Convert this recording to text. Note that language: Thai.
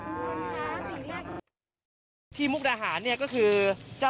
ก็ตอบได้คำเดียวนะครับ